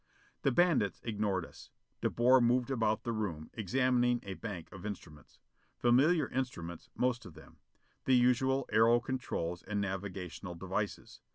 The bandits ignored us. De Boer moved about the room, examining a bank of instruments. Familiar instruments, most of them. The usual aero controls and navigational devices.